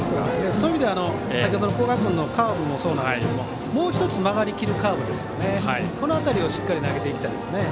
そういう意味では先ほどの古賀君のカーブもそうですがもう１つ曲がりきるカーブをしっかり投げていきたいですね。